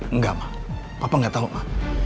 enggak ma papa gak tahu ma